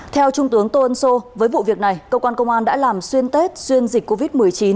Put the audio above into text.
theo trung tướng tô ân sô với vụ việc này cơ quan công an đã làm xuyên tết xuyên dịch covid một mươi chín